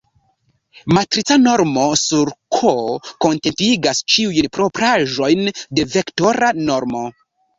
Matrica normo sur "K" kontentigas ĉiujn propraĵojn de vektora normo.